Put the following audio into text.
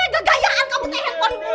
kegayaan kamu teteh handphone